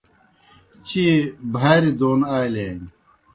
چیئے بھاریْ دون آلِیانیْ۔